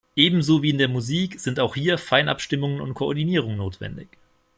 Ebenso wie in der Musik, sind auch hier Feinabstimmung und Koordinierung notwendig.